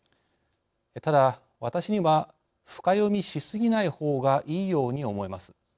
ただ私には深読みしすぎないほうがいいように思います。